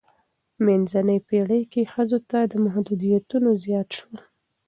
منځنۍ پیړۍ کې ښځو ته محدودیتونه زیات شول.